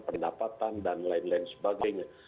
pendapatan dan lain lain sebagainya